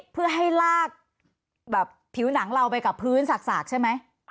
เพื่อให้ลากแบบผิวหนังเราไปกับพื้นสากใช่ไหม